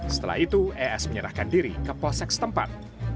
setelah itu es menyerahkan diri ke polsek setempat